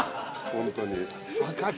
ホントに。